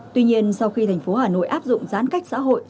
tuy nhiên sau khi tp hcm áp dụng gián cách xã hội